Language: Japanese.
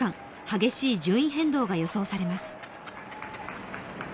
激しい順位変動が予想されます。